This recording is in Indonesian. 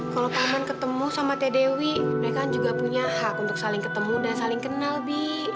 kalau taman ketemu sama teh dewi mereka juga punya hak untuk saling ketemu dan saling kenal bi